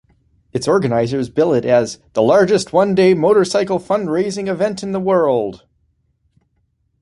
Its organizers bill it as "The Largest One-Day Motorcycle Fund-Raising Event in the World".